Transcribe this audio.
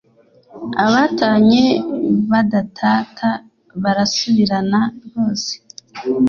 Abatanye badatata barasubirana rwose